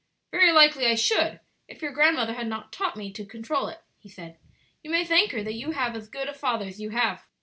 "Very likely I should if your grandmother had not taught me to control it," he said; "you may thank her that you have as good a father as you have."